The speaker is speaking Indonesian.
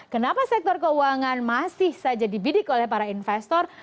kenapa sektor keuangan masih saja dibidik oleh para investor